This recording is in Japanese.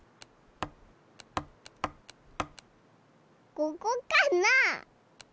ここかな？